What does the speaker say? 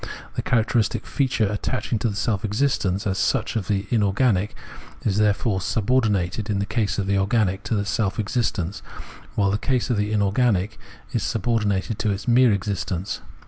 The characteristic feature attaching to the self existence as such of the inorganic is therefore subordinated in the case of the organic to its self existence, while in the case of the inorganic it is subordinated to its mere existence.